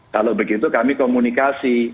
kalau begitu kami komunikasi